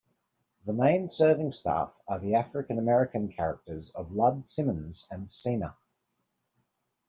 The main serving staff are the African-American characters of Lud Simmons and Seena.